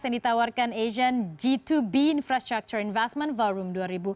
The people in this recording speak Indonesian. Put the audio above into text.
yang ditawarkan asian g dua b infrastructure investment forum dua ribu dua puluh